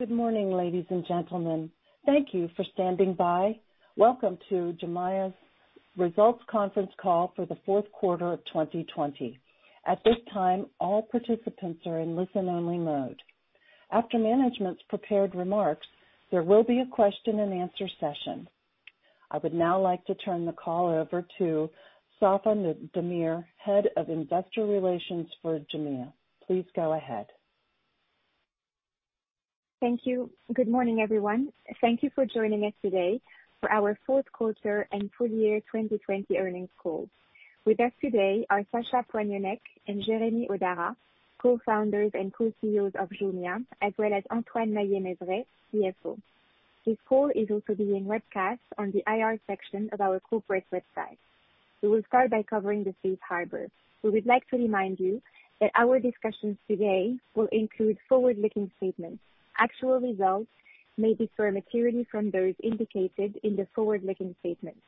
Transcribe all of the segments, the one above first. Good morning, ladies and gentlemen. Thank you for standing by. Welcome to Jumia's results conference call for the fourth quarter of 2020. I would now like to turn the call over to Safae Damir, Head of Investor Relations for Jumia. Please go ahead. Thank you. Good morning, everyone. Thank you for joining us today for our fourth quarter and full year 2020 earnings call. With us today are Sacha Poignonnec and Jeremy Hodara, Co-Founders and Co-CEOs of Jumia, as well as Antoine Maillet-Mezeray, CFO. This call is also being webcast on the IR section of our corporate website. We will start by covering the safe harbor. We would like to remind you that our discussions today will include forward-looking statements. Actual results may differ materially from those indicated in the forward-looking statements.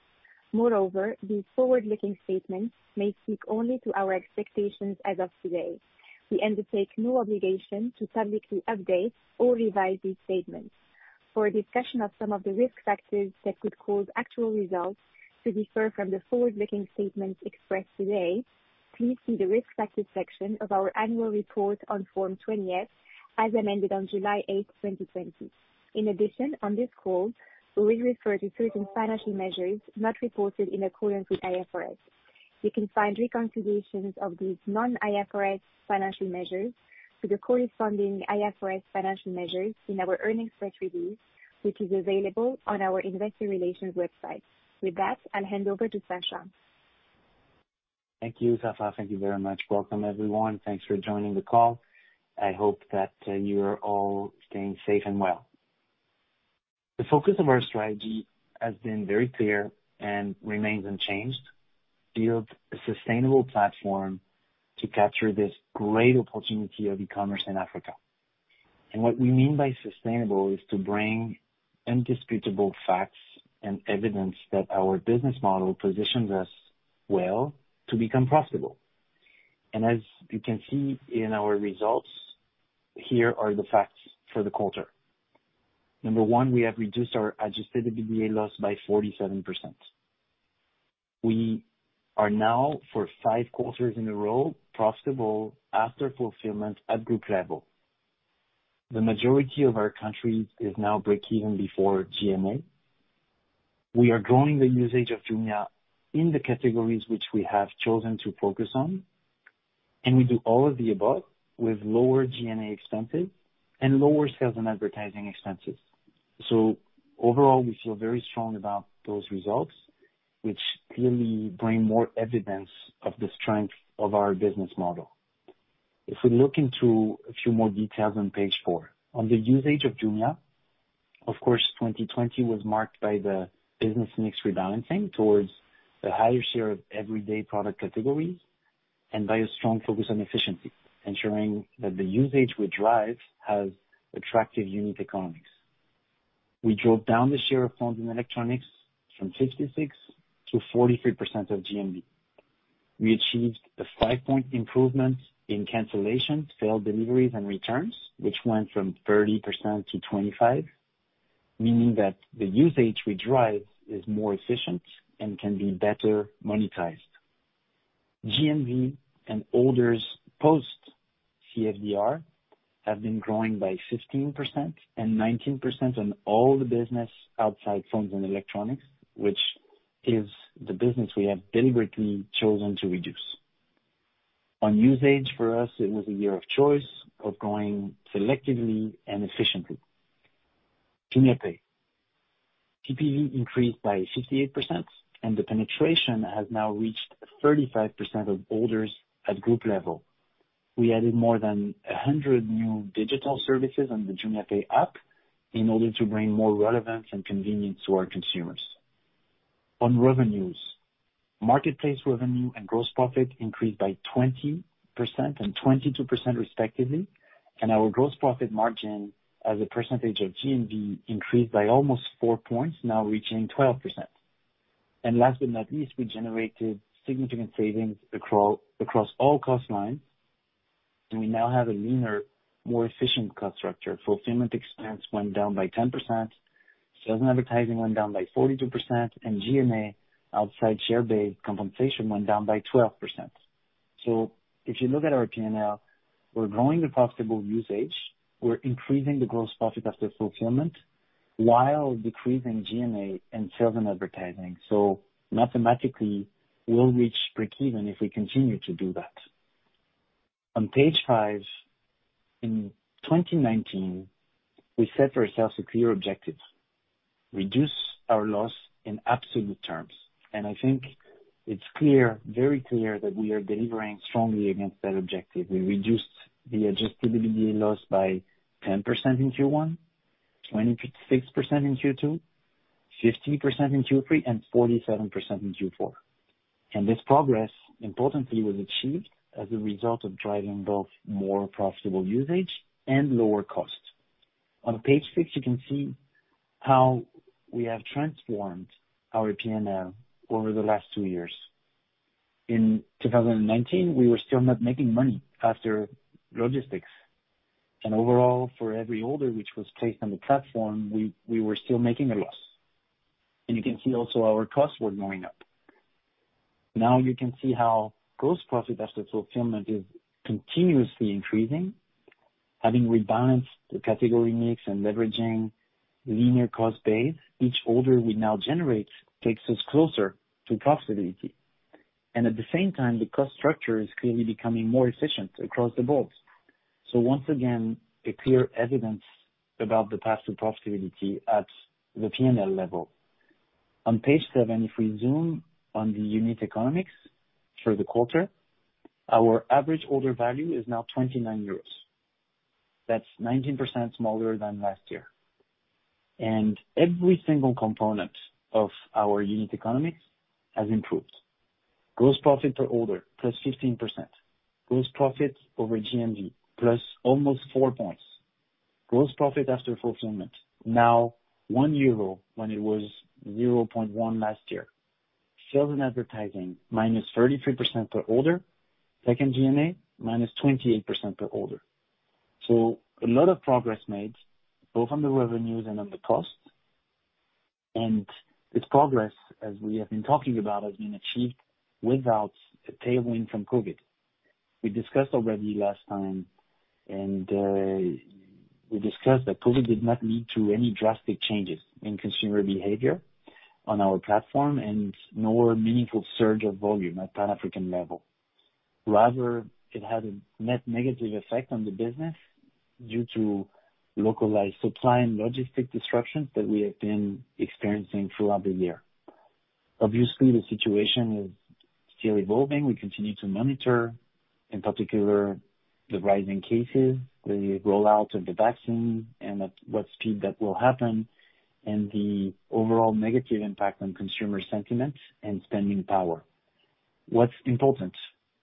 Moreover, these forward-looking statements may speak only to our expectations as of today. We undertake no obligation to publicly update or revise these statements. For a discussion of some of the risk factors that could cause actual results to differ from the forward-looking statements expressed today, please see the Risk Factors section of our annual report on Form 20-F, as amended on July 8th, 2020. In addition, on this call, we will refer to certain financial measures not reported in accordance with IFRS. You can find reconciliations of these non-IFRS financial measures to the corresponding IFRS financial measures in our earnings press release, which is available on our Investor Relations website. With that, I'll hand over to Sacha. Thank you, Safae. Thank you very much. Welcome, everyone. Thanks for joining the call. I hope that you are all staying safe and well. The focus of our strategy has been very clear and remains unchanged. Build a sustainable platform to capture this great opportunity of e-commerce in Africa. What we mean by sustainable is to bring indisputable facts and evidence that our business model positions us well to become profitable. As you can see in our results, here are the facts for the quarter. Number one, we have reduced our Adjusted EBITDA loss by 47%. We are now, for five quarters in a row, profitable after fulfillment at group level. The majority of our countries is now breakeven before G&A. We are growing the usage of Jumia in the categories which we have chosen to focus on, and we do all of the above with lower G&A expenses and lower sales and advertising expenses. Overall, we feel very strong about those results, which clearly bring more evidence of the strength of our business model. If we look into a few more details on page four. On the usage of Jumia, of course, 2020 was marked by the business mix rebalancing towards a higher share of everyday product categories and by a strong focus on efficiency, ensuring that the usage we drive has attractive unit economics. We drove down the share of phones and electronics from 56% to 43% of GMV. We achieved a five-point improvement in cancellations, failed deliveries, and returns, which went from 30% to 25%, meaning that the usage we drive is more efficient and can be better monetized. GMV and orders post CFDR have been growing by 15% and 19% on all the business outside phones and electronics, which is the business we have deliberately chosen to reduce. On usage, for us, it was a year of choice, of growing selectively and efficiently. JumiaPay. TPV increased by 68%, and the penetration has now reached 35% of orders at group level. We added more than 100 new digital services on the JumiaPay app in order to bring more relevance and convenience to our consumers. On revenues, marketplace revenue and gross profit increased by 20% and 22% respectively, and our gross profit margin as a percentage of GMV increased by almost four points, now reaching 12%. Last but not least, we generated significant savings across all cost lines, and we now have a leaner, more efficient cost structure. Fulfillment expense went down by 10%, sales and advertising went down by 42%, and G&A outside Share-Based Compensation went down by 12%. If you look at our P&L, we're growing the profitable usage, we're increasing the gross profit after fulfillment while decreasing G&A and sales and advertising. Mathematically, we'll reach breakeven if we continue to do that. On page five, in 2019, we set ourselves a clear objective, reduce our loss in absolute terms. I think it's clear, very clear that we are delivering strongly against that objective. We reduced the Adjusted EBITDA loss by 10% in Q1, 26% in Q2, 50% in Q3, and 47% in Q4. This progress, importantly, was achieved as a result of driving both more profitable usage and lower costs. On page six, you can see how we have transformed our P&L over the last two years. In 2019, we were still not making money after logistics. Overall, for every order which was placed on the platform, we were still making a loss. You can see also our costs were going up. Now you can see how gross profit after fulfillment is continuously increasing. Having rebalanced the category mix and leveraging leaner cost base, each order we now generate takes us closer to profitability. At the same time, the cost structure is clearly becoming more efficient across the board. Once again, a clear evidence about the path to profitability at the P&L level. On page seven, if we zoom on the unit economics for the quarter, our average order value is now 29 euros. That's 19% smaller than last year. Every single component of our unit economics has improved. Gross profit per order, +15%. Gross profit over GMV, plus almost four points. Gross profit after fulfillment, now 1 euro, when it was 0.1 last year. Sales and advertising, -33% per order. Second G&A, -28% per order. A lot of progress made both on the revenues and on the cost. This progress, as we have been talking about, has been achieved without a tailwind from COVID. We discussed already last time, and we discussed that COVID did not lead to any drastic changes in consumer behavior on our platform and nor a meaningful surge of volume at Pan-African level. Rather, it had a net negative effect on the business due to localized supply and logistic disruptions that we have been experiencing throughout the year. Obviously, the situation is still evolving. We continue to monitor, in particular, the rising cases, the rollout of the vaccine, and at what speed that will happen, and the overall negative impact on consumer sentiment and spending power. What's important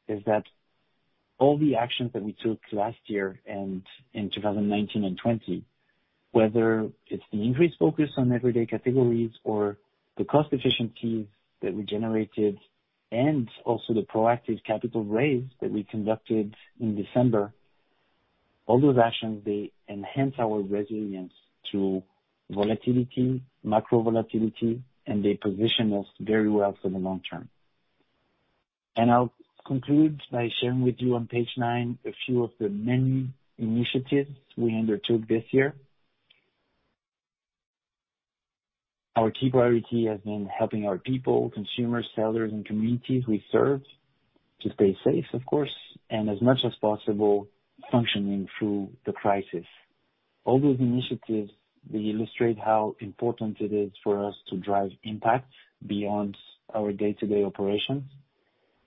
is that all the actions that we took last year and in 2019 and 2020, whether it's the increased focus on everyday categories or the cost efficiencies that we generated, and also the proactive capital raise that we conducted in December, all those actions, they enhance our resilience to volatility, macro volatility, and they position us very well for the long term. I'll conclude by sharing with you on page nine a few of the many initiatives we undertook this year. Our key priority has been helping our people, consumers, sellers, and communities we serve to stay safe, of course, and as much as possible, functioning through the crisis. All those initiatives, they illustrate how important it is for us to drive impact beyond our day-to-day operations.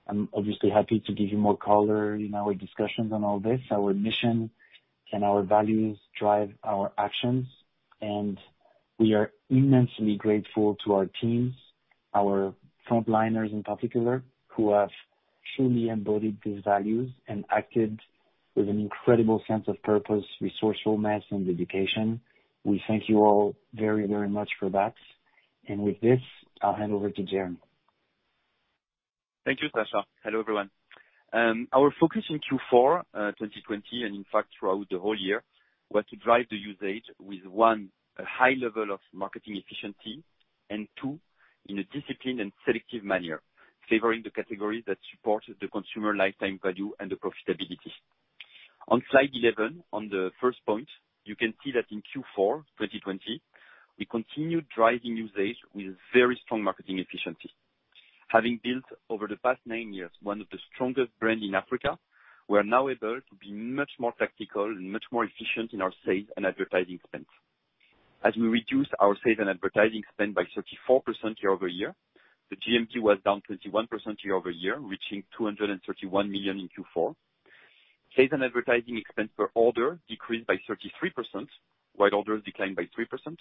I'm obviously happy to give you more color in our discussions on all this. Our mission and our values drive our actions, and we are immensely grateful to our teams, our frontliners in particular, who have truly embodied these values and acted with an incredible sense of purpose, resourcefulness, and dedication. We thank you all very, very much for that. With this, I'll hand over to Jeremy. Thank you, Sacha. Hello, everyone. Our focus in Q4 2020, in fact, throughout the whole year, was to drive the usage with, one, a high level of marketing efficiency, two, in a disciplined and selective manner, favoring the categories that support the consumer lifetime value and the profitability. On slide 11, on the first point, you can see that in Q4 2020, we continued driving usage with very strong marketing efficiency. Having built over the past nine years, one of the strongest brand in Africa, we are now able to be much more tactical and much more efficient in our sales and advertising spends. We reduced our sales and advertising spend by 34% year-over-year, the GMV was down 21% year-over-year, reaching EUR 231 million in Q4. Sales and advertising expense per order decreased by 33%, while orders declined by 3%.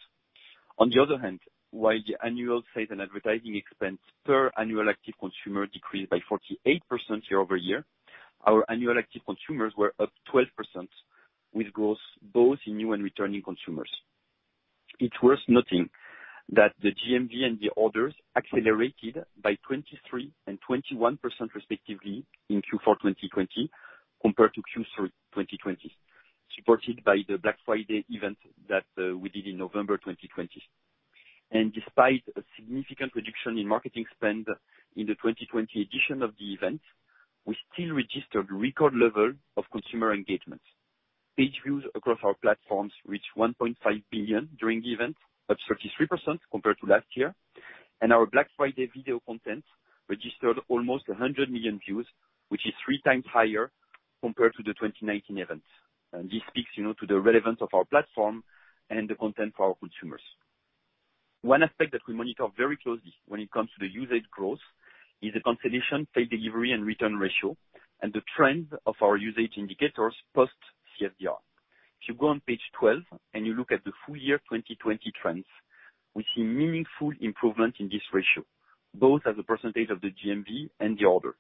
On the other hand, while the annual sales and advertising expense per annual active consumer decreased by 48% year-over-year, our annual active consumers were up 12%, with growth both in new and returning consumers. It is worth noting that the GMV and the orders accelerated by 23% and 21% respectively in Q4 2020 compared to Q3 2020, supported by the Black Friday event that we did in November 2020. Despite a significant reduction in marketing spend in the 2020 edition of the event, we still registered record level of consumer engagement. Page views across our platforms reached 1.5 billion during the event, up 33% compared to last year, and our Black Friday video content registered almost 100 million views, which is three times higher compared to the 2019 event. This speaks to the relevance of our platform and the content for our consumers. One aspect that we monitor very closely when it comes to the usage growth is the cancellations, failed delivery, and return ratio and the trend of our usage indicators post CFDR. If you go on page 12 and you look at the full year 2020 trends, we see meaningful improvement in this ratio, both as a percentage of the GMV and the order.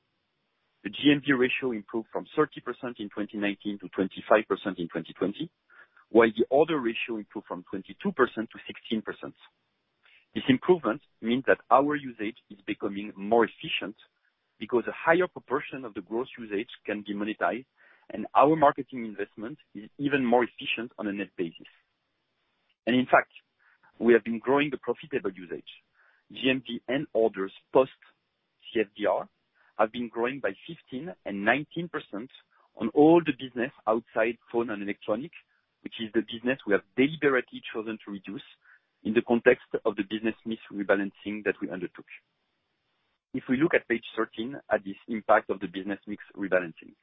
The GMV ratio improved from 30% in 2019 to 25% in 2020, while the order ratio improved from 22% to 16%. This improvement means that our usage is becoming more efficient because a higher proportion of the gross usage can be monetized, and our marketing investment is even more efficient on a net basis. In fact, we have been growing the profitable usage. GMV and orders post CFDR have been growing by 15% and 19% on all the business outside phone and electronic, which is the business we have deliberately chosen to reduce in the context of the business mix rebalancing that we undertook. If we look at page 13 at this impact of the business mix rebalancing.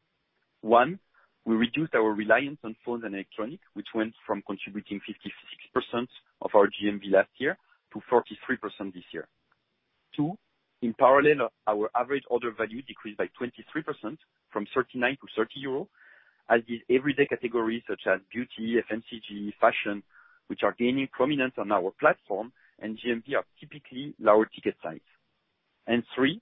One, we reduced our reliance on phones and electronic, which went from contributing 56% of our GMV last year to 43% this year. Two, in parallel, our average order value decreased by 23%, from 39 to 30 euro, as the everyday categories such as beauty, FMCG, fashion, which are gaining prominence on our platform, and GMV are typically lower ticket size. Three,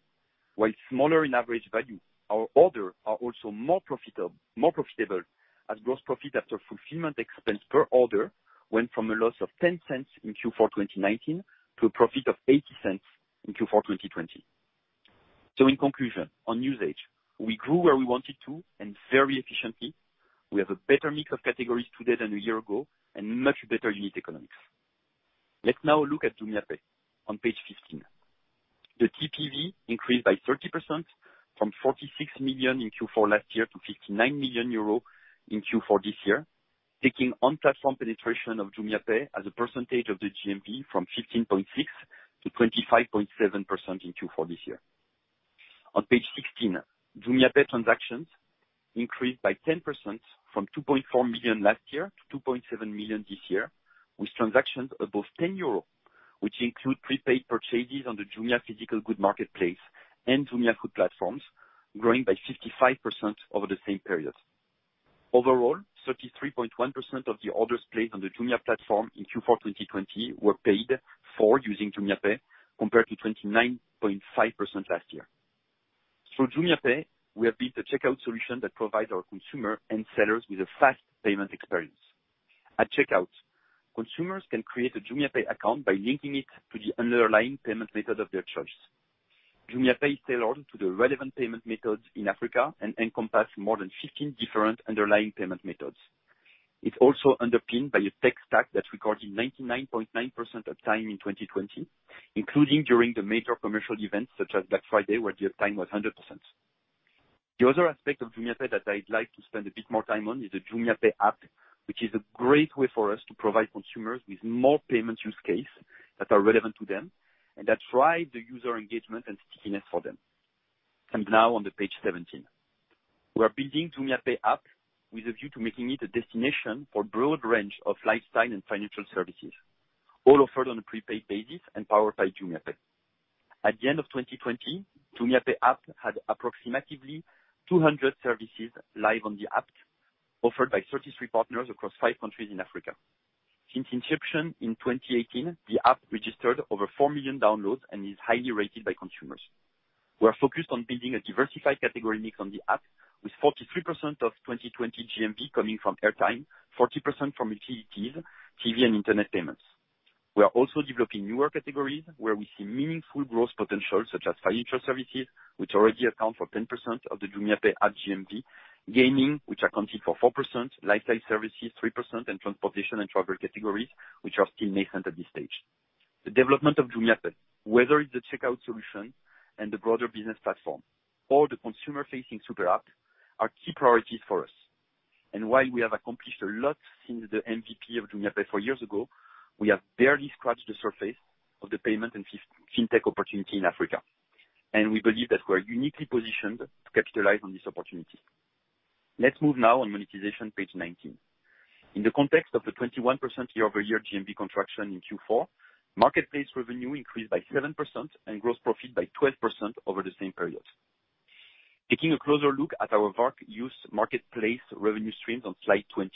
while smaller in average value, our order are also more profitable, as gross profit after fulfillment expense per order went from a loss of 0.10 in Q4 2019 to a profit of 0.80 in Q4 2020. In conclusion, on usage, we grew where we wanted to, and very efficiently. We have a better mix of categories today than a year ago, and much better unit economics. Let's now look at JumiaPay on page 15. The TPV increased by 30%, from 46 million in Q4 last year to 59 million euro in Q4 this year, taking on platform penetration of JumiaPay as a percentage of the GMV from 15.6% to 25.7% in Q4 this year. On page 16, JumiaPay transactions increased by 10%, from 2.4 million last year to 2.7 million this year, with transactions above 10 euros, which include prepaid purchases on the Jumia physical goods marketplace and Jumia Food platforms growing by 55% over the same period. Overall, 33.1% of the orders placed on the Jumia platform in Q4 2020 were paid for using JumiaPay, compared to 29.5% last year. Through JumiaPay, we have built a checkout solution that provide our consumer and sellers with a fast payment experience. At checkout, consumers can create a JumiaPay account by linking it to the underlying payment method of their choice. JumiaPay is tailored to the relevant payment methods in Africa and encompass more than 15 different underlying payment methods. It's also underpinned by a tech stack that recorded 99.9% uptime in 2020, including during the major commercial events such as Black Friday, where the uptime was 100%. The other aspect of JumiaPay that I'd like to spend a bit more time on is the JumiaPay app, which is a great way for us to provide consumers with more payment use case that are relevant to them and that drive the user engagement and stickiness for them. Now on to page 17. We're building JumiaPay app with a view to making it a destination for broad range of lifestyle and financial services, all offered on a prepaid basis and powered by JumiaPay. At the end of 2020, JumiaPay app had approximately 200 services live on the app offered by 33 partners across five countries in Africa. Since inception in 2018, the app registered over 4 million downloads and is highly rated by consumers. We are focused on building a diversified category mix on the app, with 43% of 2020 GMV coming from airtime, 40% from utilities, TV and internet payments. We are also developing newer categories where we see meaningful growth potential, such as financial services, which already account for 10% of the JumiaPay GMV, gaming, which accounted for 4%, lifestyle services 3%, and transportation and travel categories, which are still nascent at this stage. The development of JumiaPay, whether it's the checkout solution and the broader business platform or the consumer-facing super app, are key priorities for us. While we have accomplished a lot since the [MVP] of JumiaPay four years ago, we have barely scratched the surface of the payment and fintech opportunity in Africa. We believe that we're uniquely positioned to capitalize on this opportunity. Let's move now on monetization, page 19. In the context of the 21% year-over-year GMV contraction in Q4, marketplace revenue increased by 7% and gross profit by 12% over the same period. Taking a closer look at our large use marketplace revenue streams on slide 20.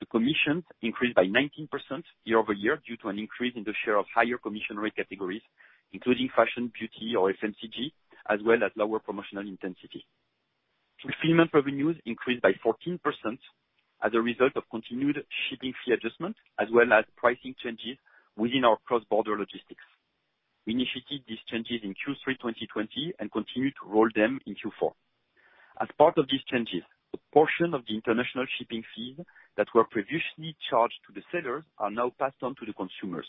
The commissions increased by 19% year-over-year due to an increase in the share of higher commission rate categories, including fashion, beauty or FMCG, as well as lower promotional intensity. Fulfillment revenues increased by 14% as a result of continued shipping fee adjustment as well as pricing changes within our cross-border logistics. We initiated these changes in Q3 2020 and continued to roll them in Q4. As part of these changes, a portion of the international shipping fees that were previously charged to the sellers are now passed on to the consumers.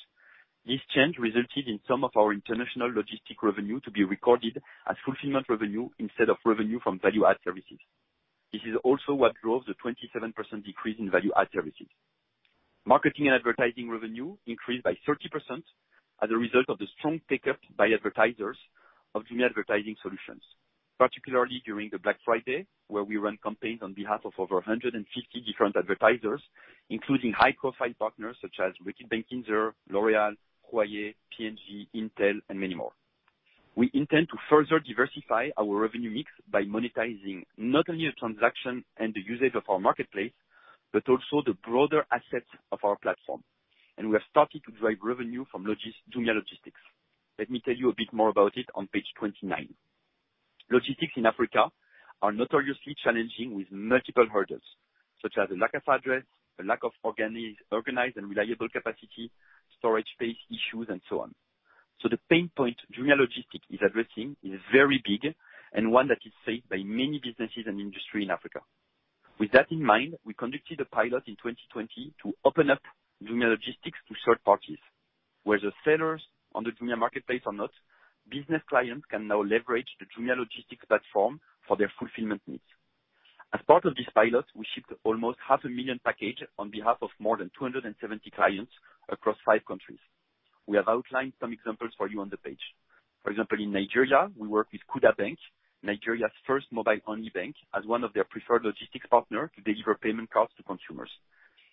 This change resulted in some of our international logistic revenue to be recorded as fulfillment revenue instead of revenue from value-add services. This is also what drove the 27% decrease in value-add services. Marketing and advertising revenue increased by 30% as a result of the strong pickup by advertisers of Jumia Advertising solutions, particularly during the Black Friday, where we ran campaigns on behalf of over 150 different advertisers, including high-profile partners such as Reckitt Benckiser, L'Oréal, Huawei, P&G, Intel, and many more. We intend to further diversify our revenue mix by monetizing not only the transaction and the usage of our marketplace, but also the broader assets of our platform. We have started to drive revenue from Jumia Logistics. Let me tell you a bit more about it on page 29. Logistics in Africa are notoriously challenging with multiple hurdles, such as a lack of address, a lack of organized and reliable capacity, storage space issues, and so on. The pain point Jumia Logistics is addressing is very big and one that is faced by many businesses and industry in Africa. With that in mind, we conducted a pilot in 2020 to open up Jumia Logistics to third parties. Whether sellers on the Jumia Marketplace or not, business clients can now leverage the Jumia Logistics platform for their fulfillment needs. As part of this pilot, we shipped almost half a million package on behalf of more than 270 clients across five countries. We have outlined some examples for you on the page. For example, in Nigeria, we work with Kuda Bank, Nigeria's first mobile-only bank, as one of their preferred logistics partner to deliver payment cards to consumers.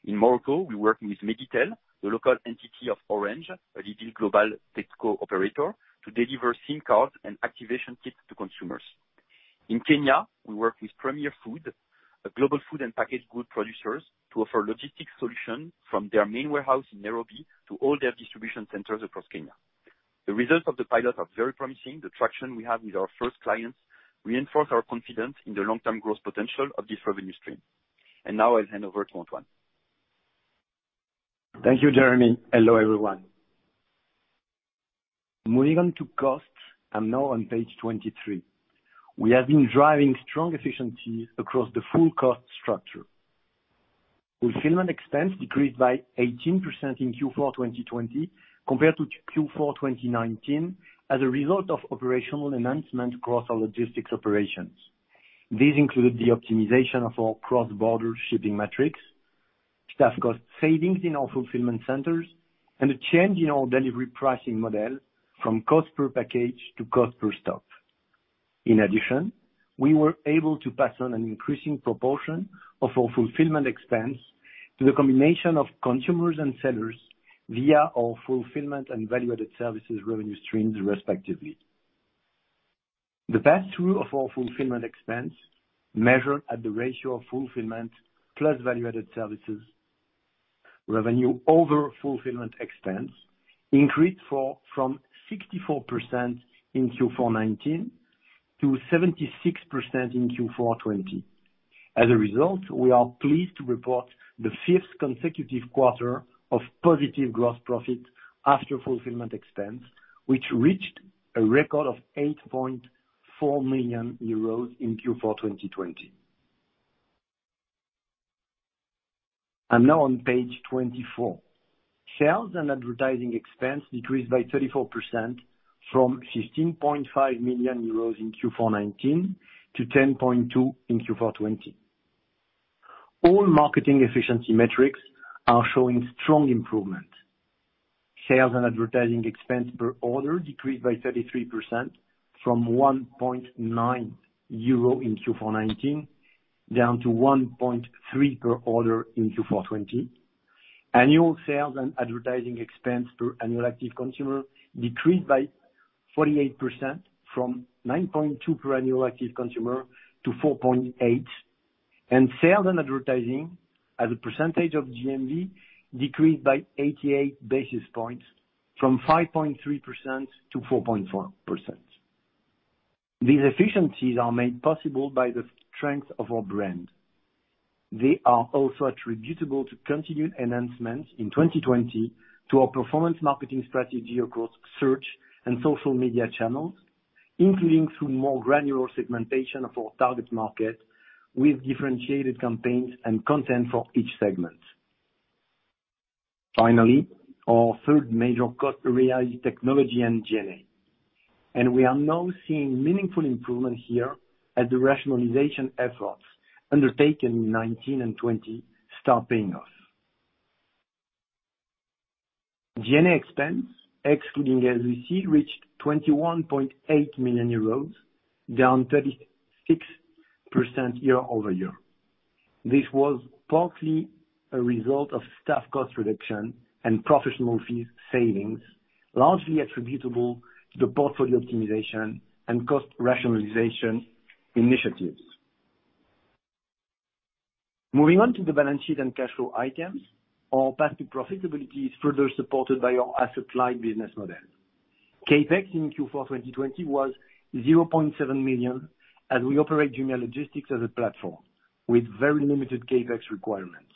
In Morocco, we're working with Méditel, the local entity of Orange, a leading global tech co-operator, to deliver SIM cards and activation kits to consumers. In Kenya, we work with Premier Foods, a global food and packaged good producers, to offer logistics solution from their main warehouse in Nairobi to all their distribution centers across Kenya. The results of the pilot are very promising. The traction we have with our first clients reinforce our confidence in the long-term growth potential of this revenue stream. Now I'll hand over to Antoine. Thank you, Jeremy. Hello, everyone. Moving on to costs. I'm now on page 23. We have been driving strong efficiencies across the full cost structure. Fulfillment expense decreased by 18% in Q4 2020 compared to Q4 2019 as a result of operational enhancement across our logistics operations. These include the optimization of our cross-border shipping metrics, staff cost savings in our fulfillment centers, and a change in our delivery pricing model from cost per package to cost per stop. In addition, we were able to pass on an increasing proportion of our fulfillment expense to the combination of consumers and sellers via our fulfillment and value-added services revenue streams, respectively. The pass-through of our fulfillment expense, measured at the ratio of fulfillment plus value-added services revenue over fulfillment expense, increased from 64% in Q4 2019 to 76% in Q4 2020. As a result, we are pleased to report the fifth consecutive quarter of positive gross profit after fulfillment expense, which reached a record of 8.4 million euros in Q4 2020. I'm now on page 24. Sales and advertising expense decreased by 34% from 15.5 million euros in Q4 2019 to 10.2 million in Q4 2020. All marketing efficiency metrics are showing strong improvement. Sales and advertising expense per order decreased by 33% from EUR 1.90 in Q4 2019, down to 1.3/order in Q4 2020. Annual sales and advertising expense per annual active consumer decreased by 48%, from 9.2 /annual active consumer to 4.8, and sales and advertising as a percentage of GMV decreased by 88 basis points from 5.3% to 4.4%. These efficiencies are made possible by the strength of our brand. They are also attributable to continued enhancements in 2020 to our performance marketing strategy across search and social media channels, including through more granular segmentation of our target market with differentiated campaigns and content for each segment. Finally, our third major cost area is technology and G&A. We are now seeing meaningful improvement here as the rationalization efforts undertaken in 2019 and 2020 start paying off. G&A expense, excluding SBC, reached 21.8 million euros, down 36% year-over-year. This was partly a result of staff cost reduction and professional fees savings, largely attributable to the portfolio optimization and cost rationalization initiatives. Moving on to the balance sheet and cash flow items. Our path to profitability is further supported by our asset-light business model. CapEx in Q4 2020 was 0.7 million, as we operate Jumia Logistics as a platform with very limited CapEx requirements.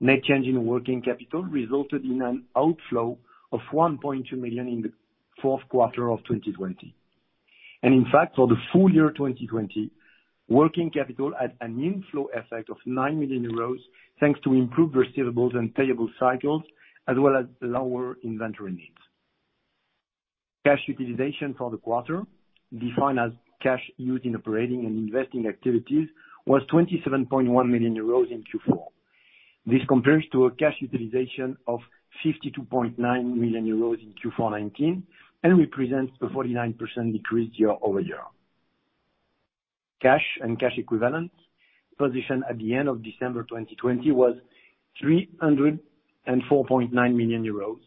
Net change in working capital resulted in an outflow of 1.2 million in the fourth quarter of 2020. In fact, for the full year 2020, working capital had an inflow effect of 9 million euros, thanks to improved receivables and payables cycles as well as lower inventory needs. Cash utilization for the quarter, defined as cash used in operating and investing activities, was 27.1 million euros in Q4. This compares to a cash utilization of 52.9 million euros in Q4 2019 and represents a 49% decrease year-over-year. Cash and cash equivalents position at the end of December 2020 was 304.9 million euros.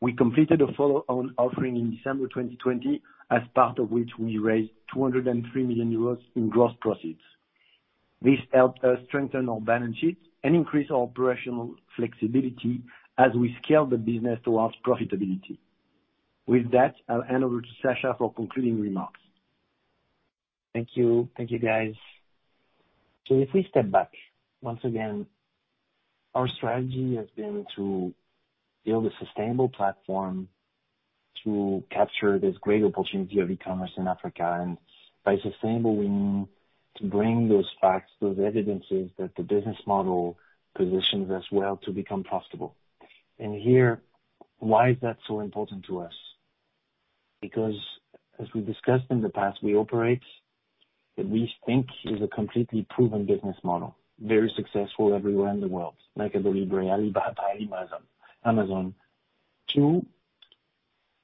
We completed a follow-on offering in December 2020, as part of which we raised 203 million euros in gross proceeds. This helped us strengthen our balance sheet and increase our operational flexibility as we scale the business towards profitability. With that, I'll hand over to Sacha for concluding remarks. Thank you. Thank you, guys. If we step back, once again, our strategy has been to build a sustainable platform to capture this great opportunity of e-commerce in Africa. By sustainable, we mean to bring those facts, those evidences that the business model positions us well to become profitable. Here, why is that so important to us? Because, as we discussed in the past, we operate what we think is a completely proven business model, very successful everywhere in the world, like a Deliveroo, Alibaba, Amazon. Two,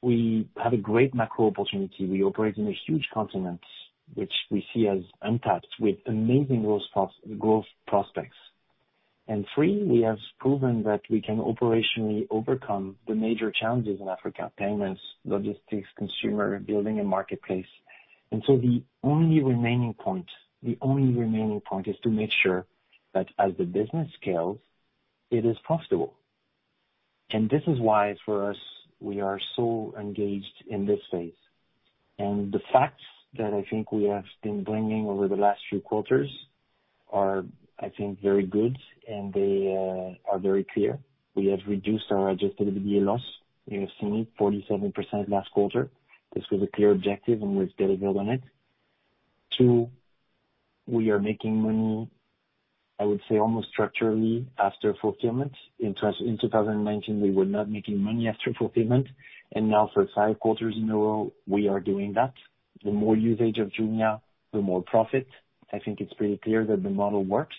we have a great macro opportunity. We operate in a huge continent, which we see as untapped with amazing growth prospects. Three, we have proven that we can operationally overcome the major challenges in Africa: payments, logistics, consumer, building a marketplace. The only remaining point is to make sure that as the business scales, it is profitable. This is why, for us, we are so engaged in this phase. The facts that I think we have been bringing over the last few quarters are very good, and they are very clear. We have reduced our Adjusted EBITDA loss. You have seen it, 47% last quarter. This was a clear objective, and we've delivered on it. Two, we are making money, I would say, almost structurally after fulfillment. In 2019, we were not making money after fulfillment, and now for five quarters in a row, we are doing that. The more usage of Jumia, the more profit. I think it's pretty clear that the model works.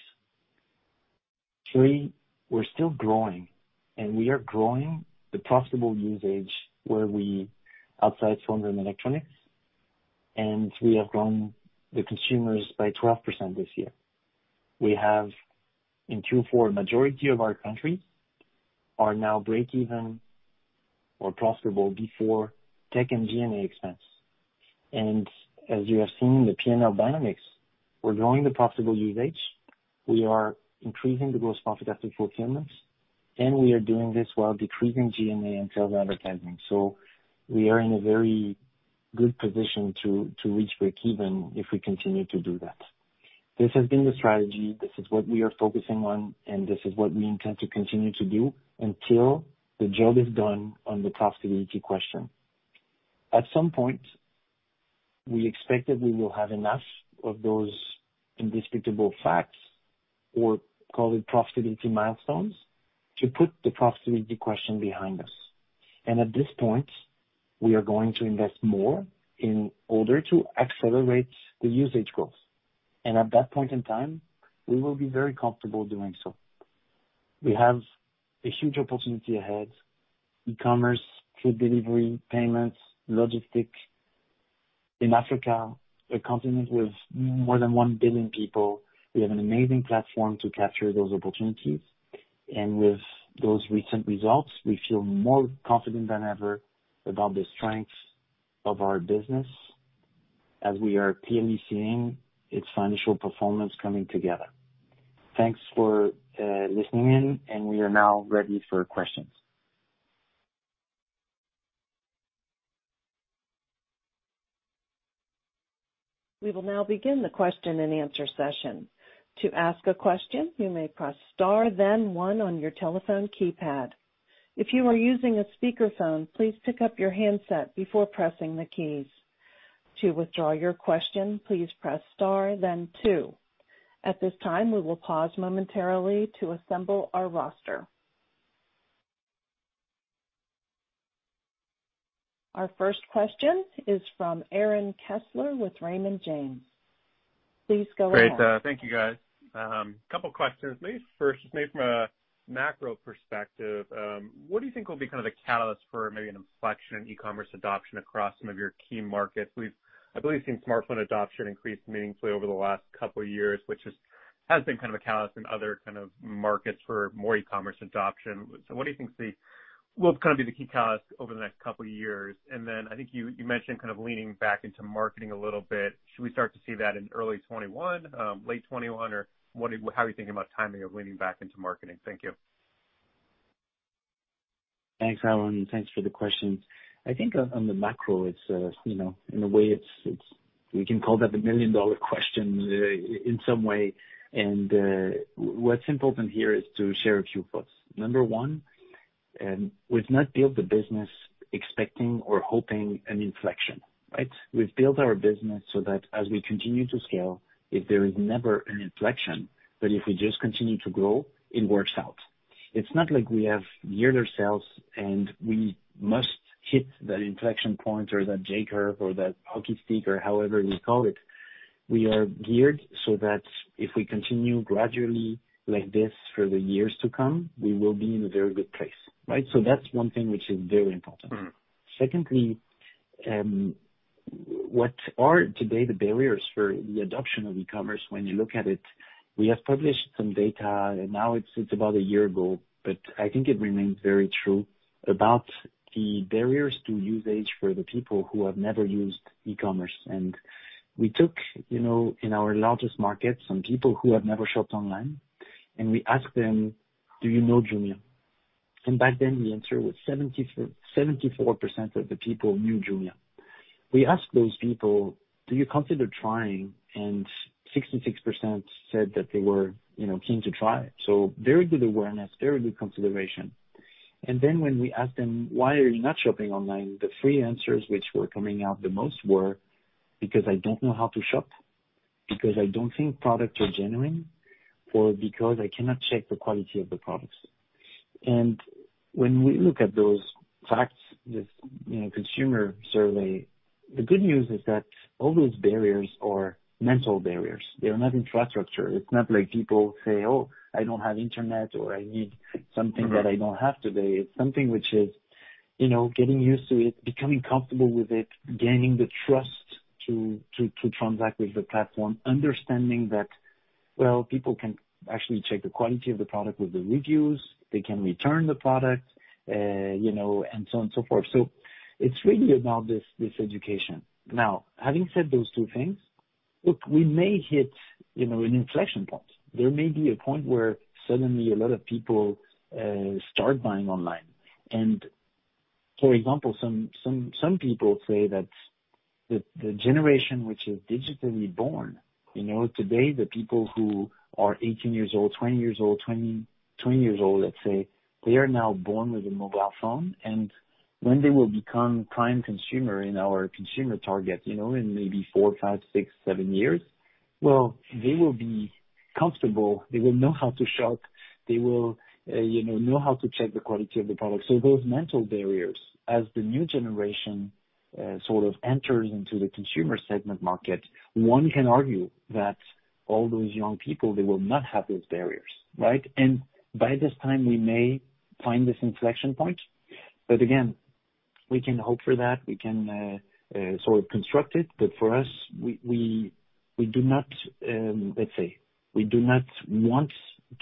Three, we're still growing, and we are growing the profitable usage where we outside phone and electronics, and we have grown the consumers by 12% this year. We have, in Q4, majority of our countries are now break even or profitable before tech and G&A expense. As you have seen in the P&L dynamics, we're growing the profitable usage. We are increasing the gross profit after fulfillments, we are doing this while decreasing G&A and sales and advertising. We are in a very good position to reach break even if we continue to do that. This has been the strategy, this is what we are focusing on, and this is what we intend to continue to do until the job is done on the profitability question. At some point, we expected we will have enough of those indisputable facts, or call it profitability milestones, to put the profitability question behind us. At this point, we are going to invest more in order to accelerate the usage growth. At that point in time, we will be very comfortable doing so. We have a huge opportunity ahead. E-commerce, food delivery, payments, logistics. In Africa, a continent with more than 1 billion people, we have an amazing platform to capture those opportunities. With those recent results, we feel more confident than ever about the strength of our business as we are clearly seeing its financial performance coming together. Thanks for listening in, and we are now ready for questions. We will now begin the question and answer session. To ask a question, you may press star then one on your telephone keypad. If you are using a speakerphone, please pick up your handset before pressing the keys. To withdraw your question, please press star then two. At this time, we will pause momentarily to assemble our roster. Our first question is from Aaron Kessler with Raymond James. Please go ahead. Great. Thank you, guys. Couple questions. Maybe first, maybe from a macro perspective, what do you think will be kind of the catalyst for maybe an inflection in e-commerce adoption across some of your key markets? We've, I believe, seen smartphone adoption increase meaningfully over the last couple of years, which has been kind of a catalyst in other kind of markets for more e-commerce adoption. What do you think will kind of be the key catalyst over the next couple of years? I think you mentioned kind of leaning back into marketing a little bit. Should we start to see that in early 2021, late 2021, or how are you thinking about timing of leaning back into marketing? Thank you. Thanks, Aaron. Thanks for the question. I think on the macro, in a way, we can call that the million dollar question in some way. What's important here is to share a few thoughts. Number one, we've not built the business expecting or hoping an inflection, right? We've built our business so that as we continue to scale, if there is never an inflection, but if we just continue to grow, it works out. It's not like we have geared ourselves, and we must hit that inflection point or that J-curve or that hockey stick or however you call it. We are geared so that if we continue gradually like this for the years to come, we will be in a very good place, right? That's one thing which is very important. Secondly, what are today the barriers for the adoption of e-commerce when you look at it? We have published some data, now it's about a year ago, but I think it remains very true about the barriers to usage for the people who have never used e-commerce. We took, in our largest markets, some people who have never shopped online, and we asked them, "Do you know Jumia?" Back then the answer was 74% of the people knew Jumia. We asked those people, "Do you consider trying?" 66% said that they were keen to try. Very good awareness, very good consideration. When we asked them, "Why are you not shopping online?" The three answers which were coming out the most were, because I don't know how to shop, because I don't think products are genuine, or because I cannot check the quality of the products. When we look at those facts, this consumer survey, the good news is that all those barriers are mental barriers. They are not infrastructure. It's not like people say, "Oh, I don't have internet," or, "I need something that I don't have today." It's something which is getting used to it, becoming comfortable with it, gaining the trust to transact with the platform, understanding that, well, people can actually check the quality of the product with the reviews. They can return the product, and so on and so forth. It's really about this education. Having said those two things, look, we may hit an inflection point. There may be a point where suddenly a lot of people start buying online. For example, some people say that the generation which is digitally born, today, the people who are 18 years old, 20 years old, let's say, they are now born with a mobile phone. When they will become prime consumer in our consumer target, in maybe four, five, six, seven years, well, they will be comfortable. They will know how to shop. They will know how to check the quality of the product. Those mental barriers, as the new generation sort of enters into the consumer segment market, one can argue that all those young people, they will not have those barriers, right? By this time, we may find this inflection point. Again, we can hope for that. We can sort of construct it. For us, let's say, we do not want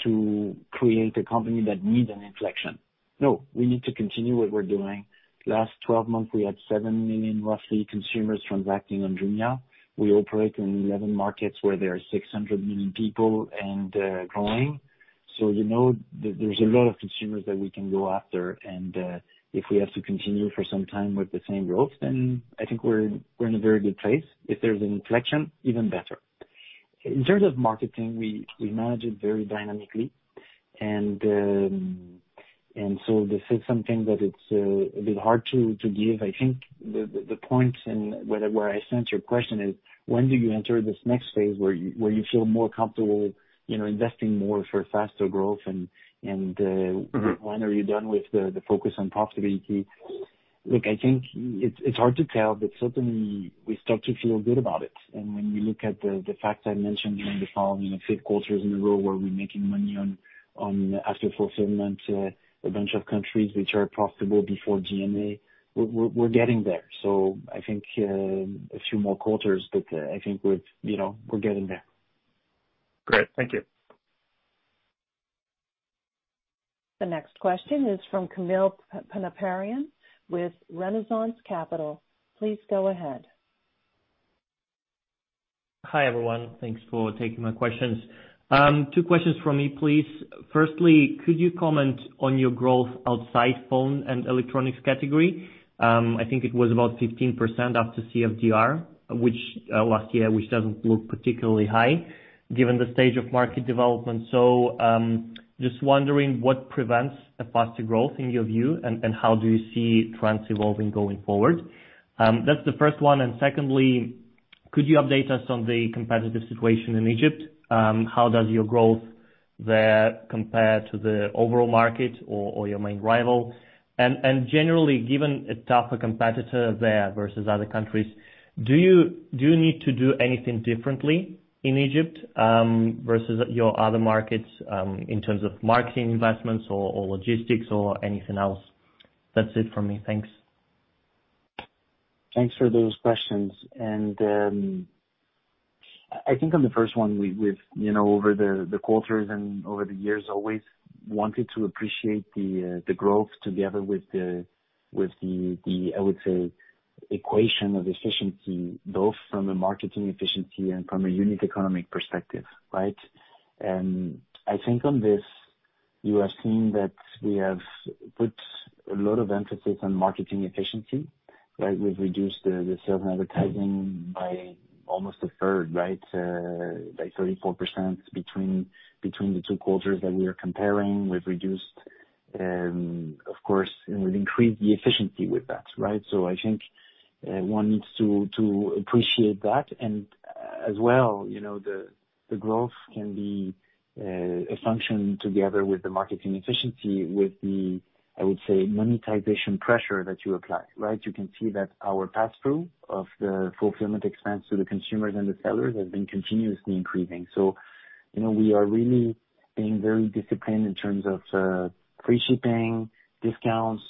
to create a company that needs an inflection. No, we need to continue what we're doing. Last 12 months, we had 7 million, roughly, consumers transacting on Jumia. We operate in 11 markets where there are 600 million people and growing. You know there's a lot of consumers that we can go after. If we have to continue for some time with the same growth, then I think we're in a very good place. If there's an inflection, even better. In terms of marketing, we manage it very dynamically. This is something that it's a bit hard to give. I think the point where I sense your question is, when do you enter this next phase where you feel more comfortable investing more for faster growth. When are you done with the focus on profitability? Look, I think it's hard to tell, but certainly we start to feel good about it. When you look at the facts I mentioned during the call, five quarters in a row where we're making money on after fulfillment, a bunch of countries which are profitable before G&A, we're getting there. I think a few more quarters, but I think we're getting there. Great. Thank you. The next question is from [Kamil Paniparian] with Renaissance Capital. Please go ahead. Hi, everyone. Thanks for taking my questions. Two questions from me, please. Firstly, could you comment on your growth outside phone and electronics category? I think it was about 15% after CFDR last year, which doesn't look particularly high given the stage of market development. Just wondering what prevents a faster growth in your view and how do you see trends evolving going forward? That's the first one. Secondly, could you update us on the competitive situation in Egypt? How does your growth there compare to the overall market or your main rival? Generally, given a tougher competitor there versus other countries, do you need to do anything differently in Egypt versus your other markets in terms of marketing investments or logistics or anything else? That's it from me. Thanks. Thanks for those questions. I think on the first one, over the quarters and over the years, always wanted to appreciate the growth together with the, I would say, equation of efficiency, both from a marketing efficiency and from a unit economic perspective, right? I think on this, you have seen that we have put a lot of emphasis on marketing efficiency. We've reduced the sales and advertising by almost 1/3, by 34% between the two quarters that we are comparing. We've reduced, of course, we've increased the efficiency with that. I think one needs to appreciate that. As well, the growth can be a function together with the marketing efficiency, with the, I would say, monetization pressure that you apply, right? You can see that our pass-through of the fulfillment expense to the consumers and the sellers has been continuously increasing. We are really being very disciplined in terms of free shipping, discounts,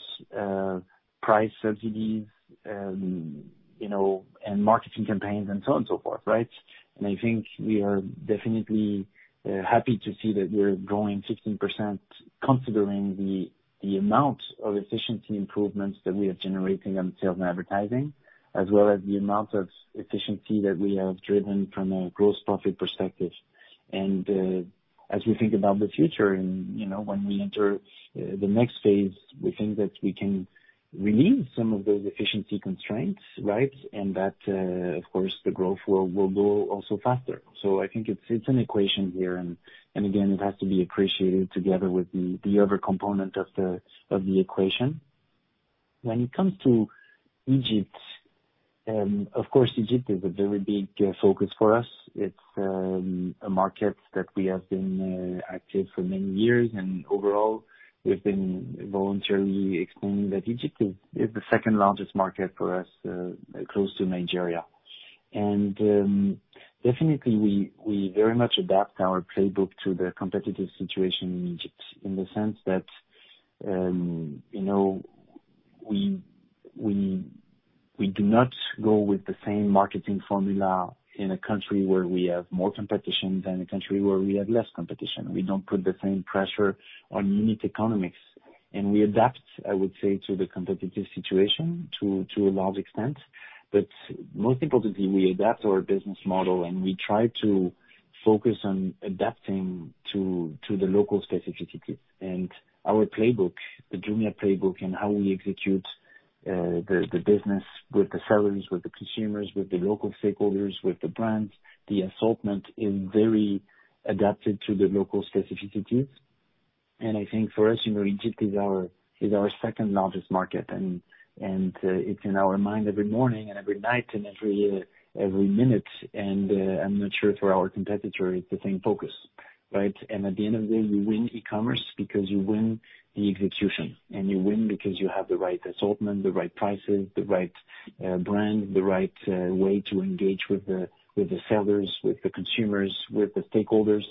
price subsidies, and marketing campaigns and so on and so forth. Right. I think we are definitely happy to see that we're growing 15% considering the amount of efficiency improvements that we are generating on sales and advertising, as well as the amount of efficiency that we have driven from a gross profit perspective. As we think about the future and when we enter the next phase, we think that we can relieve some of those efficiency constraints, right. That, of course, the growth will go also faster. I think it's an equation here. Again, it has to be appreciated together with the other component of the equation. When it comes to Egypt, of course, Egypt is a very big focus for us. It's a market that we have been active for many years, and overall, we've been voluntarily expanding that Egypt is the second largest market for us, close to Nigeria. Definitely, we very much adapt our playbook to the competitive situation in Egypt in the sense that we do not go with the same marketing formula in a country where we have more competition than a country where we have less competition. We don't put the same pressure on unit economics, and we adapt, I would say, to the competitive situation to a large extent. Most importantly, we adapt our business model, and we try to focus on adapting to the local specificities. Our playbook, the Jumia Playbook, and how we execute the business with the sellers, with the consumers, with the local stakeholders, with the brands, the assortment is very adapted to the local specificities. I think for us, Egypt is our second-largest market, and it's in our mind every morning and every night and every minute. I'm not sure for our competitor it's the same focus, right? At the end of the day, you win e-commerce because you win the execution. You win because you have the right assortment, the right prices, the right brand, the right way to engage with the sellers, with the consumers, with the stakeholders.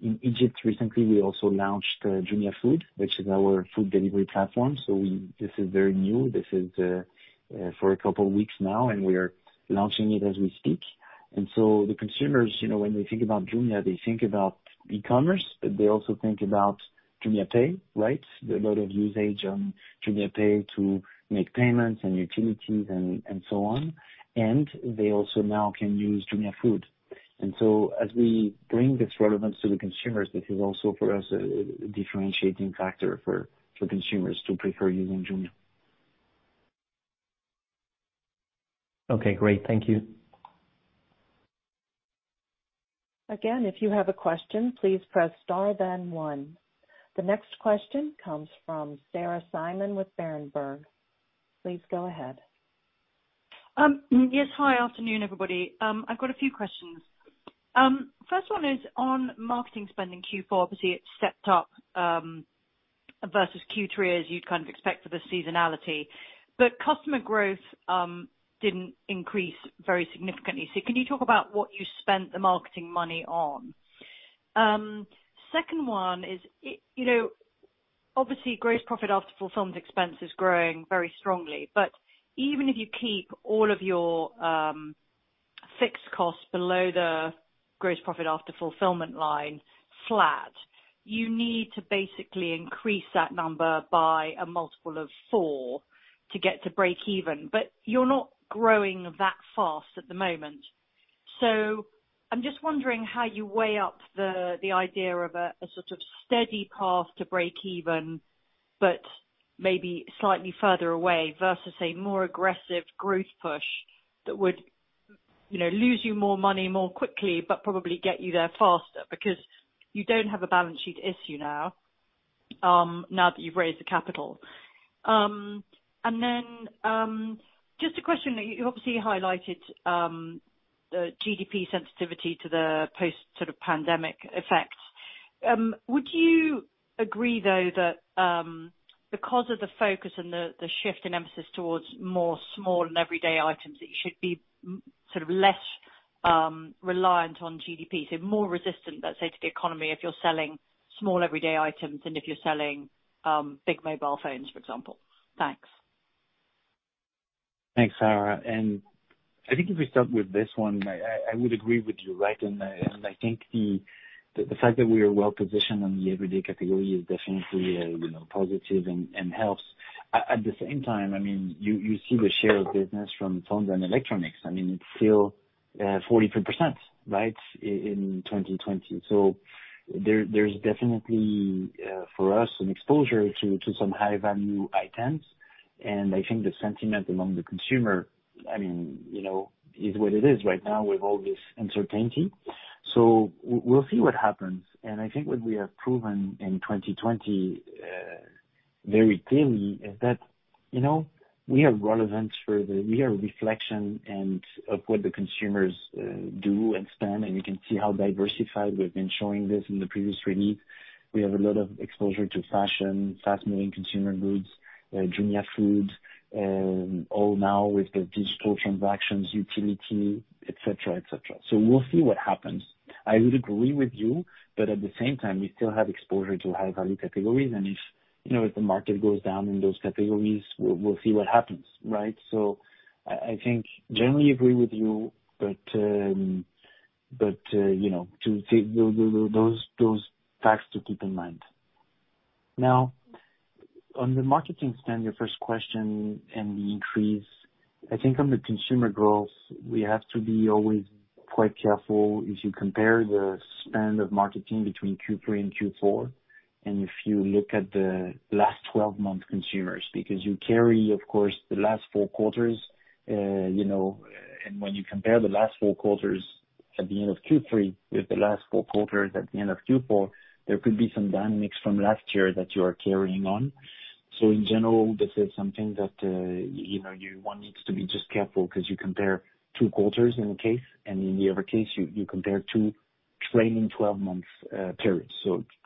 In Egypt recently, we also launched Jumia Food, which is our food delivery platform. This is very new. This is for a couple of weeks now, and we are launching it as we speak. The consumers, when they think about Jumia, they think about e-commerce. They also think about JumiaPay, right? A lot of usage on JumiaPay to make payments and utilities and so on. They also now can use Jumia Food. As we bring this relevance to the consumers, this is also for us a differentiating factor for consumers to prefer using Jumia. Okay, great. Thank you. Again, if you have a question, please press star then one. The next question comes from Sarah Simon with Berenberg. Please go ahead. Yes. Hi, afternoon, everybody. I've got a few questions. First one is on marketing spend in Q4. Obviously, it stepped up, versus Q3, as you'd kind of expect for the seasonality. Customer growth didn't increase very significantly. Can you talk about what you spent the marketing money on? Second one is, obviously, gross profit after fulfillment expense is growing very strongly. Even if you keep all of your fixed costs below the gross profit after fulfillment line flat, you need to basically increase that number by a multiple of four to get to breakeven. You're not growing that fast at the moment. I'm just wondering how you weigh up the idea of a sort of steady path to breakeven, but maybe slightly further away versus a more aggressive growth push that would lose you more money more quickly, but probably get you there faster because you don't have a balance sheet issue now that you've raised the capital. Just a question that you obviously highlighted, the GDP sensitivity to the post sort of pandemic effects. Would you agree, though, that because of the focus and the shift in emphasis towards more small and everyday items, that you should be sort of less reliant on GDP, so more resistant, let's say, to the economy, if you're selling small everyday items than if you're selling big mobile phones, for example? Thanks. Thanks, Sarah. I think if we start with this one, I would agree with you, right? I think the fact that we are well-positioned on the everyday category is definitely positive and helps. At the same time, you see the share of business from phones and electronics. It's still 43%, right? In 2020. There's definitely, for us, an exposure to some high-value items. I think the sentiment among the consumer is what it is right now with all this uncertainty. We'll see what happens. I think what we have proven in 2020 very clearly is that we are relevant, we are a reflection of what the consumers do and spend, and you can see how diversified we've been showing this in the previous release. We have a lot of exposure to fashion, fast-moving consumer goods, Jumia Food, all now with the digital transactions, utility, et cetera, et cetera. We'll see what happens. I would agree with you, but at the same time, we still have exposure to high-value categories. If the market goes down in those categories, we'll see what happens, right? I think generally agree with you, but those facts to keep in mind. Now, on the marketing spend, your first question, and the increase, I think on the consumer growth, we have to be always quite careful if you compare the spend of marketing between Q3 and Q4, and if you look at the last 12 months' consumers, because you carry, of course, the last four quarters. When you compare the last four quarters at the end of Q3 with the last four quarters at the end of Q4, there could be some dynamics from last year that you are carrying on. In general, this is something that one needs to be just careful because you compare two quarters in a case, and in the other case, you compare two trailing 12 months periods.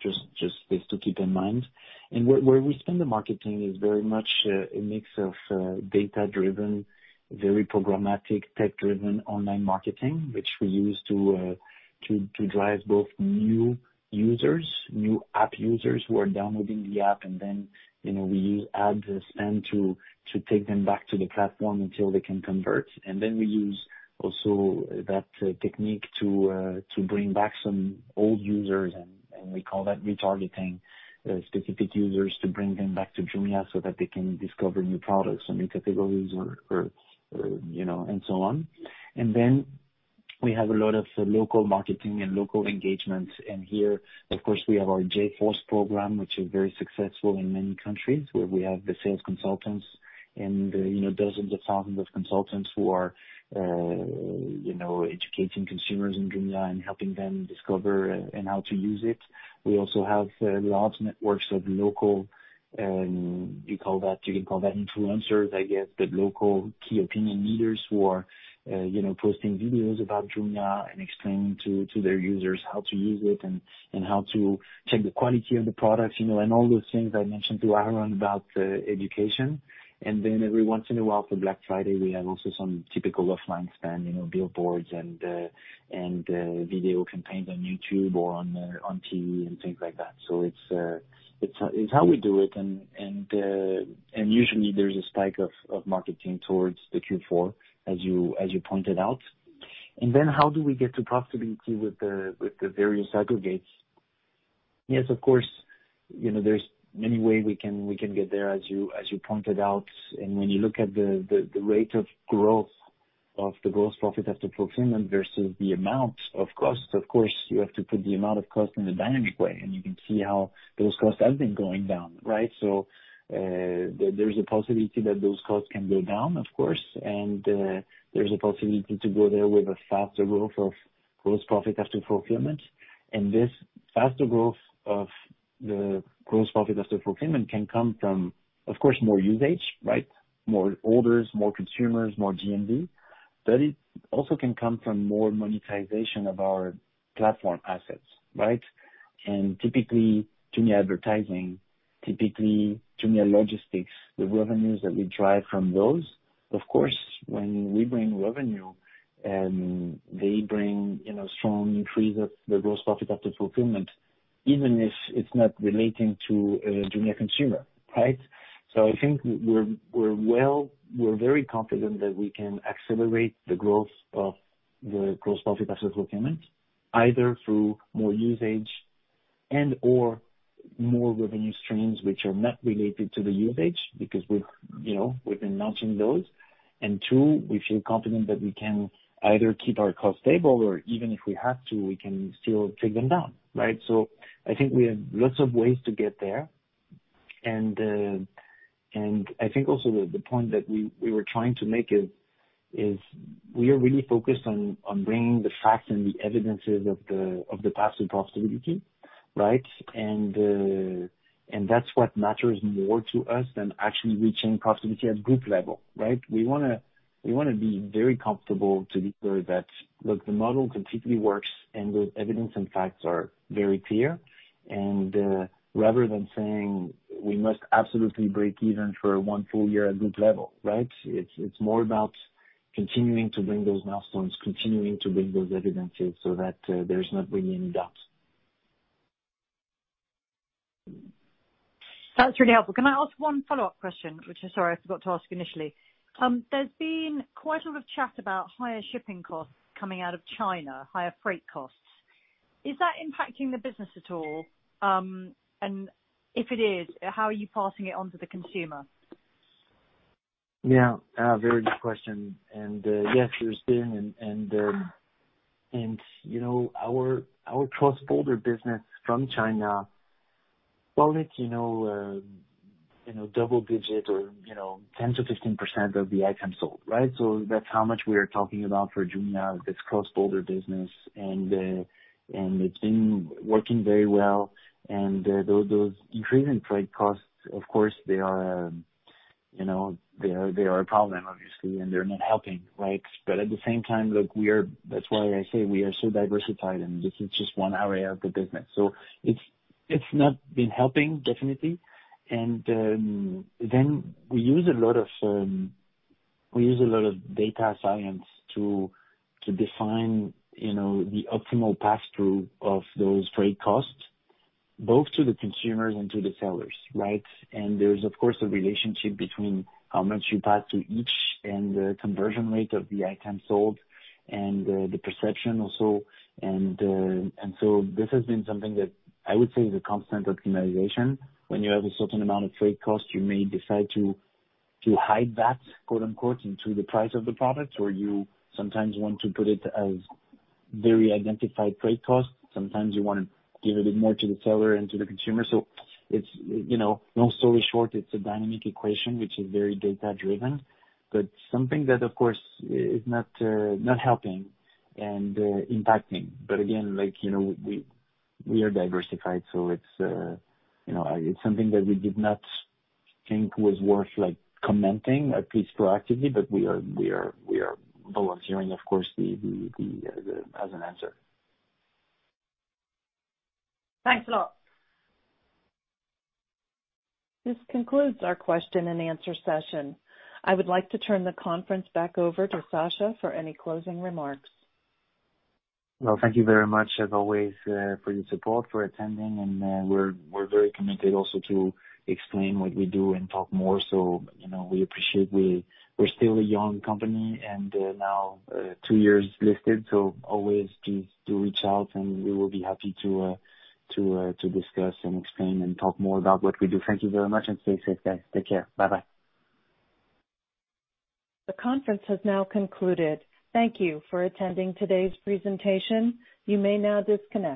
Just this to keep in mind. Where we spend the marketing is very much a mix of data-driven, very programmatic, tech-driven online marketing, which we use to drive both new users, new app users who are downloading the app, and then, we use ad spend to take them back to the platform until they can convert. Then we use also that technique to bring back some old users, and we call that retargeting specific users to bring them back to Jumia so that they can discover new products, new categories, and so on. Then we have a lot of local marketing and local engagement. Here, of course, we have our JForce program, which is very successful in many countries, where we have the sales consultants and dozens of thousands of consultants who are educating consumers in Jumia and helping them discover and how to use it. We also have large networks of local, you can call that influencers, I guess, the local key opinion leaders who are posting videos about Jumia and explaining to their users how to use it and how to check the quality of the products, and all those things I mentioned to Aaron about education. Every once in a while, for Black Friday, we have also some typical offline spend, billboards and video campaigns on YouTube or on TV and things like that. It's how we do it, and usually, there's a spike of marketing towards the Q4, as you pointed out. How do we get to profitability with the various aggregates? Yes, of course, there's many way we can get there, as you pointed out. When you look at the rate of growth of the gross profit after fulfillment versus the amount of costs, of course, you have to put the amount of cost in a dynamic way, and you can see how those costs have been going down, right? There's a possibility that those costs can go down, of course, and there's a possibility to go there with a faster growth of gross profit after fulfillment. This faster growth of the gross profit after fulfillment can come from, of course, more usage, right? More orders, more consumers, more GMV. It also can come from more monetization of our platform assets, right? Typically, Jumia Advertising, typically Jumia Logistics, the revenues that we drive from those, of course, when we bring revenue, they bring strong increase of the gross profit after fulfillment, even if it's not relating to a Jumia, right? I think we're very confident that we can accelerate the growth of the gross profit after fulfillment, either through more usage and/or more revenue streams which are not related to the usage, because we've been launching those. Two, we feel confident that we can either keep our costs stable or even if we have to, we can still take them down, right? I think we have lots of ways to get there, and I think also the point that we were trying to make is we are really focused on bringing the facts and the evidences of the path to profitability, right? That's what matters more to us than actually reaching profitability at group level, right? We wanna be very comfortable to declare that, look, the model completely works and the evidence and facts are very clear. Rather than saying we must absolutely break even for one full year at group level, right? It's more about continuing to bring those milestones, continuing to bring those evidences so that there's not really any doubt. That's really helpful. Can I ask one follow-up question, which I'm sorry, I forgot to ask initially. There's been quite a lot of chat about higher shipping costs coming out of China, higher freight costs. Is that impacting the business at all? If it is, how are you passing it on to the consumer? Yeah. A very good question. Yes, there's been, and our cross-border business from China, well, double digit or 10%-15% of the items sold, right. That's how much we are talking about for Jumia, this cross-border business. It's been working very well. Those increasing trade costs, of course, they are a problem, obviously, and they're not helping, right. At the same time, look, that's why I say we are so diversified and this is just one area of the business. It's not been helping, definitely. Then we use a lot of data science to define the optimal pass-through of those freight costs, both to the consumers and to the sellers, right. There's of course, a relationship between how much you pass to each and the conversion rate of the item sold and the perception also. This has been something that I would say is a constant optimization. When you have a certain amount of freight cost, you may decide to hide that, quote-unquote, into the price of the product, or you sometimes want to put it as very identified freight cost. Sometimes you want to give a bit more to the seller and to the consumer. Long story short, it's a dynamic equation, which is very data-driven. Something that, of course, is not helping and impacting. Again, we are diversified, so it's something that we did not think was worth commenting, at least proactively. We are volunteering, of course, as an answer. Thanks a lot. This concludes our question and answer session. I would like to turn the conference back over to Sacha for any closing remarks. Well, thank you very much as always, for your support, for attending, and we're very committed also to explain what we do and talk more. We appreciate. We're still a young company, and now two years listed, so always do reach out, and we will be happy to discuss and explain and talk more about what we do. Thank you very much, and stay safe, guys. Take care. Bye-bye. The conference has now concluded. Thank you for attending today's presentation. You may now disconnect.